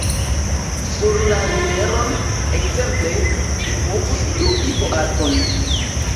Sur la riveron, ekzemple, ni povus lui boaton.